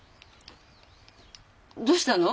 どうしたの？